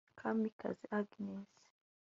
Kamikazi Agnes